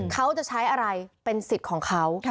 เขาจะใช้อะไรเป็นสิทธิ์ของเขา